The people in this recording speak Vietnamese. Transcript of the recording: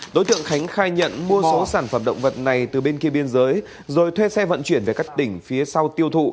đối tượng khánh khai nhận mua số sản phẩm động vật này từ bên kia biên giới rồi thuê xe vận chuyển về các tỉnh phía sau tiêu thụ